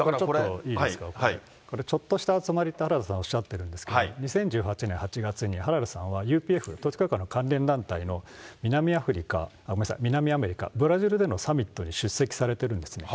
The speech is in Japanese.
いいですか、これ、ちょっとした集まりと原田さんはおっしゃってるんですけれども、２０１８年８月に、原田さんはＵＰＦ、統一教会の関連団体の南アメリカ、ブラジルでのサミットに出席されてるんですよ。